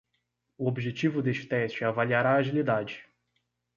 O objetivo deste teste é avaliar a agilidade.